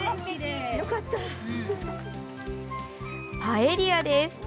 パエリヤです。